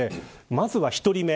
まずは１人目。